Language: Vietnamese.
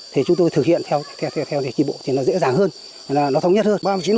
thì chúng tôi thực hiện theo tri bộ thì nó dễ dàng hơn nó thống nhất hơn